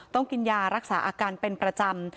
ต้องกินยารักษาอาการเป็นประจำ